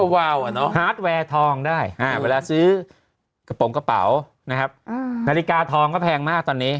ฮาร์ดแวร์ทองได้เวลาซื้อกระโปรงกระเป๋านะครับนาฬิกาทองก็แพงมากตอนนี้